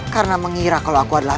karena mengira kalau aku adalah